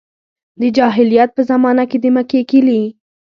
د جاهلیت په زمانه کې د مکې کیلي.